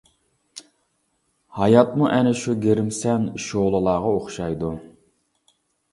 ھاياتمۇ ئەنە شۇ گىرىمسەن شولىلارغا ئوخشايدۇ.